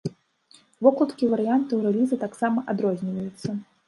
Вокладкі варыянтаў рэліза таксама адрозніваецца.